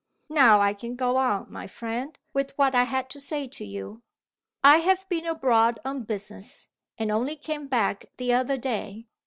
"Now I can go on, my friend, with what I had to say to you. I have been abroad on business, and only came back the other day.